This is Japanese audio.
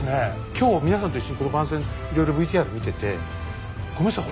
今日皆さんと一緒にこの番宣いろいろＶＴＲ見ててごめんなさい